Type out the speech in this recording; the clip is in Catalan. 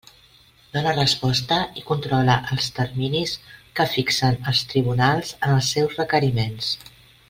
Dóna resposta i controla els terminis que fixen els tribunals en els seus requeriments.